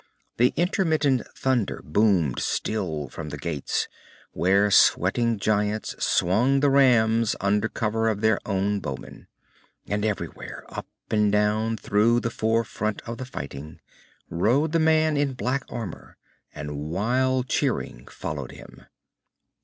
The intermittent thunder boomed still from the gates, where sweating giants swung the rams under cover of their own bowmen. And everywhere, up and down through the forefront of the fighting, rode the man in black armor, and wild cheering followed him.